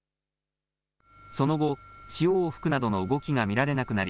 その後、潮を吹くなどの動きが見られなくなり